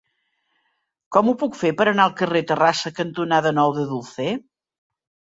Com ho puc fer per anar al carrer Terrassa cantonada Nou de Dulce?